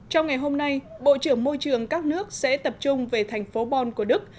trong ngày hôm nay bộ trưởng môi trường các nước sẽ tập trung về thành phố bon của đức